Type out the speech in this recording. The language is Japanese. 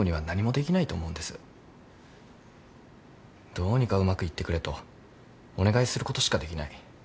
どうにかうまくいってくれとお願いすることしかできない。